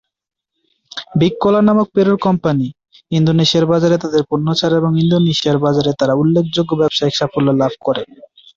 Big Cola নামক পেরুর company, ইন্দোনেশিয়ার বাজারে তাদের পণ্য ছাড়ে এবং ইন্দোনেশিয়ার বাজারে তারা উল্লেখযোগ্য ব্যবসায়িক সাফল্য লাভ করে।